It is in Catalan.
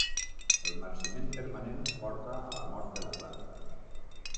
El marciment permanent porta a la mort de la planta.